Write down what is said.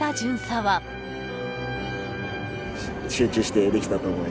はい！